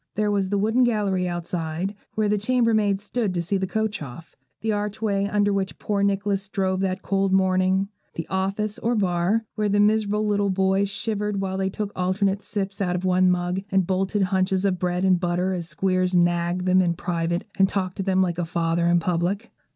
There was the wooden gallery outside, where the chamber maids stood to see the coach off; the archway under which poor Nicholas drove that cold morning; the office, or bar, where the miserable little boys shivered while they took alternate sips out of one mug, and bolted hunches of bread and butter as Squeers 'nagged' them in private and talked to them like a father in public.